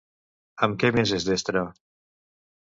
En què més és destre?